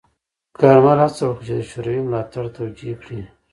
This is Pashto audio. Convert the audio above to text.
کارمل هڅه وکړه چې د شوروي ملاتړ توجیه کړي.